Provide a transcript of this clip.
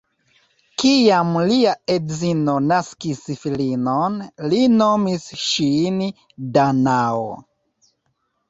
Kiam lia edzino naskis filinon, li nomis ŝin Danao.